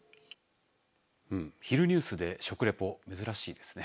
昼ニュースで食レポ珍しいですね。